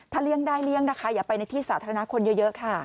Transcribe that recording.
เลี่ยงได้เลี่ยงนะคะอย่าไปในที่สาธารณะคนเยอะค่ะ